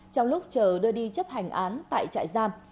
trong lúc chờ đưa đi chấp hành án tại trại giam